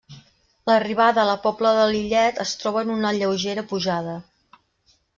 L'arribada a La Pobla de Lillet es troba en una lleugera pujada.